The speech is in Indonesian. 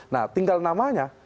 nah tinggal namanya